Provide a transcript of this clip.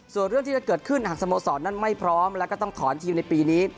ส่วนเรื่องที่จะเกิดขึ้นหากสโมสรนั้นไม่พร้อมแล้วก็ต้องถอนทีมในปีนี้